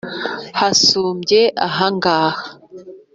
Hasumbye ahangaha.